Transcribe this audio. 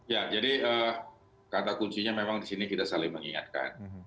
ya jadi kata kuncinya memang disini kita saling mengingatkan